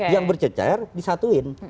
yang bercecair disatuin